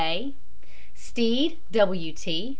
A. STEAD, W. T.